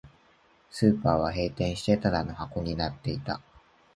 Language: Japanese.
スーパーは閉店して、ただの箱になっていた